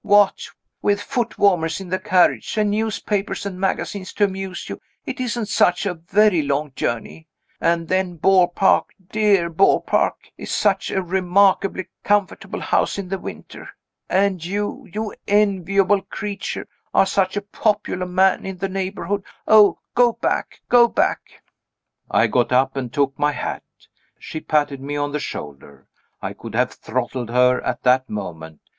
What with foot warmers in the carriage, and newspapers and magazines to amuse you, it isn't such a very long journey. And then Beaupark dear Beaupark is such a remarkably comfortable house in the winter; and you, you enviable creature, are such a popular man in the neighborhood. Oh, go back! go back!" I got up and took my hat. She patted me on the shoulder. I could have throttled her at that moment.